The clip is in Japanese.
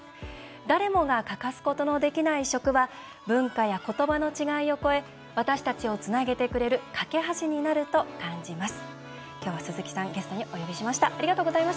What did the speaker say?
誰もが欠かすことのできない食は、文化や言葉の違いを超え私たちをつなげてくれる懸け橋になると感じます。